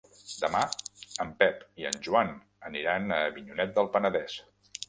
Demà en Pep i en Joan aniran a Avinyonet del Penedès.